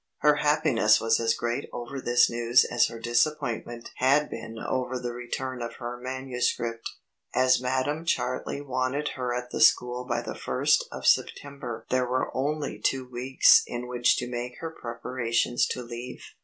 Her happiness was as great over this news as her disappointment had been over the return of her manuscript. As Madam Chartley wanted her at the school by the first of September there were only two weeks in which to make her preparations to leave.